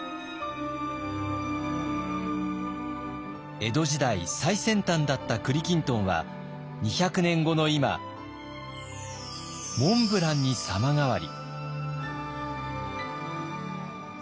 江戸時代最先端だった栗きんとんは２００年後の今モンブランに様変わり。